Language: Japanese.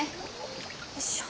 よいしょ。